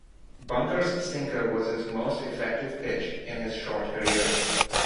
Bunker's sinker was his most effective pitch in his short career.